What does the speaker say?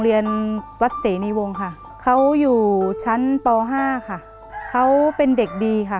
เปลี่ยนเพลงเพลงเก่งของคุณและข้ามผิดได้๑คำ